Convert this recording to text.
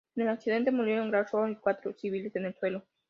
En el accidente murieron Glasgow y cuatro civiles en el suelo.